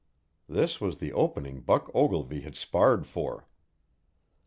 This was the opening Buck Ogilvy had sparred for.